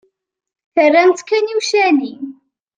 Terramt-tt kan i ucali.